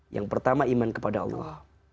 yang pertama iman kepada allah